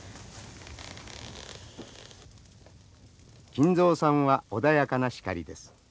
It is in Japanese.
金蔵さんは穏やかなシカリです。